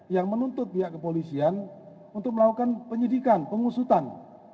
yang menuntut pihak kepolisian untuk melakukan penyidikan pengusutan